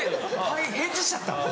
返事しちゃった。